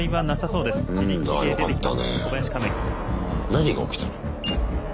何が起きたの？